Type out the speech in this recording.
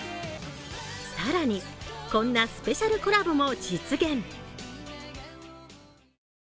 更に、こんなスペシャルコラボも実現。